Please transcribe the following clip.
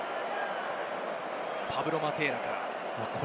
パブロ・マテーラから。